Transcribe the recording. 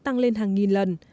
tăng lên hàng nghìn lần